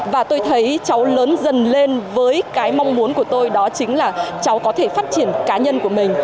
và tôi thấy cháu lớn dần lên với cái mong muốn của tôi đó chính là cháu có thể phát triển cá nhân của mình